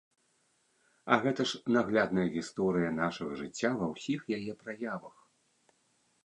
А гэта ж наглядная гісторыя нашага жыцця ва ўсіх яе праявах!